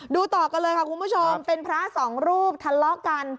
ต่อกันเลยค่ะคุณผู้ชมเป็นพระสองรูปทะเลาะกัน